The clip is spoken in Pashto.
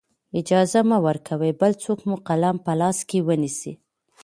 اجازه مه ورکوئ بل څوک مو قلم په لاس کې ونیسي.